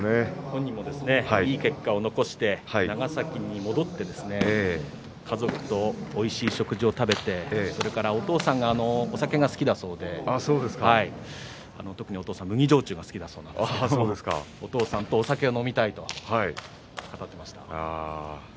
本人も、いい結果を残して長崎に戻って家族とおいしい食事を食べてそれから、お父さんがお酒が好きだそうで特にお父様、麦焼酎がお好きだそうなんですがお父さんとお酒を飲みたいと語っていました。